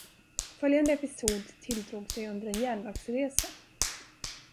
Följande episod tilldrog sig under en järnvägsresa.